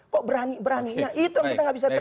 kok berani beraninya itu yang kita nggak bisa terima